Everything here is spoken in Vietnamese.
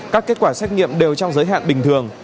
các kết quả xét nghiệm đều trong giới hạn bình thường